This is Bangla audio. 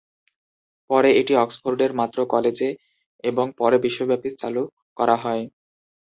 পরে এটি অক্সফোর্ডের মাত্র কলেজে এবং পরে বিশ্বব্যাপী চালু করা হয়।